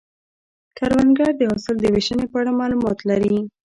کروندګر د حاصل د ویشنې په اړه معلومات لري